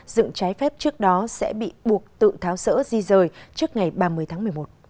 dựng trái phép trước đó sẽ bị buộc tự tháo rỡ di rời trước ngày ba mươi tháng một mươi một